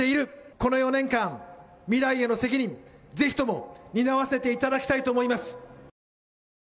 この４年間、未来への責任、ぜひとも担わせていただきたいと思います。